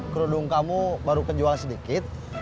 kerudung kamu baru kejual sedikit